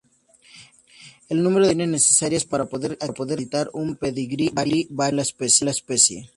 El número de generaciones necesarias para poder acreditar un pedigrí varía según la especie.